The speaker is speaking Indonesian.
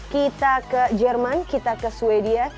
kita ke jerman kita ke sweden